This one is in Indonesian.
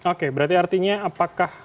oke berarti artinya apakah